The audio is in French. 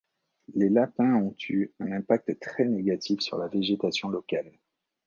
Les lapins ont eu un impact très négatif sur la végétation locale.